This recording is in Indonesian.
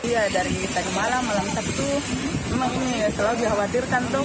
ya dari kita ke malam malam sabtu emang ini ya selalu dikhawatirkan tuh